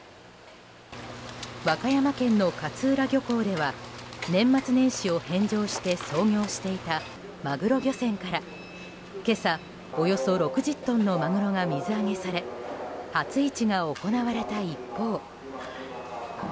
和歌山県の勝浦漁港では年末年始を返上して操業していたマグロ漁船から今朝、およそ６０トンのマグロが水揚げされ初市が行われた一方